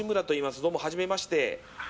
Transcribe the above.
どうも初めまして。